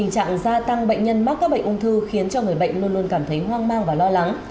rằng bệnh nhân mắc các bệnh ung thư khiến cho người bệnh luôn luôn cảm thấy hoang mang và lo lắng